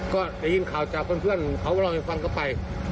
ก็ยินข่าวจากเพื่อนเขาว่าเราไม่ฟังก็ไป